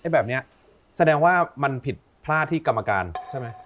แบบนี้แสดงว่ามันผิดพลาดที่กรรมการใช่ไหม